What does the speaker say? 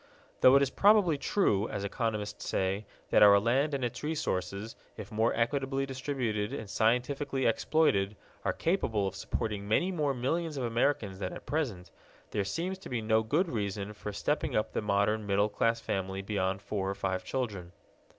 Though it is probably true, as economists say, that our land and its resources, if more equitably distributed and scientifically exploited, are capable of supporting many more millions of Americans than at present, there seems to be no good reason for stepping up the modern middle class family beyond four or five children.